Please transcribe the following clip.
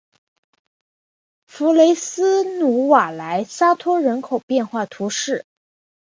弗雷斯努瓦莱沙托人口变化图示